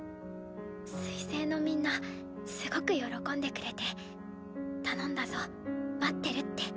水星のみんなすごく喜んでくれて「頼んだぞ。待ってる」って。